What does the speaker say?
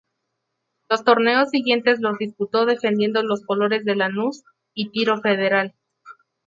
Los torneos siguientes los disputó defendiendo los colores de Lanús y Tiro Federal.